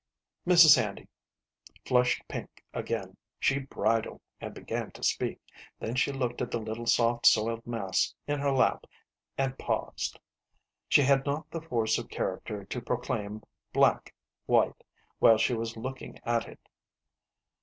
Mrs. Handy flushed pink again. She bridled and began to speak, then she looked at the little soft soiled mass in her lap, and paused. She had not the force of character to proclaim black white while she was looking at it.